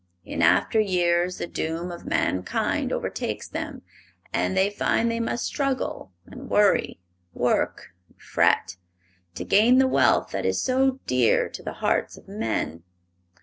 In after years the doom of mankind overtakes them, and they find they must struggle and worry, work and fret, to gain the wealth that is so dear to the hearts of men.